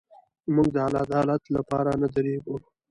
موږ د عدالت لپاره نه درېږو.